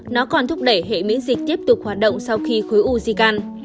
nó còn thúc đẩy hệ miễn dịch tiếp tục hoạt động sau khi khối u di căn